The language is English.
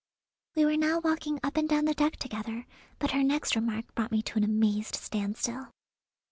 We were now walking up and down the deck together, but her next remark brought me to an amazed standstill.